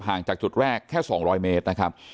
จากจุดแรกแค่๒๐๐เมตรนะครับ